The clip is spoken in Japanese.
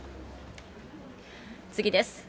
次です。